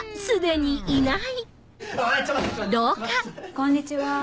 こんにちは。